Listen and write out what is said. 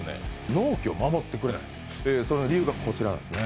納期を守ってくれないその理由がこちらなんですね